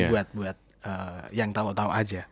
buat buat yang tau tau aja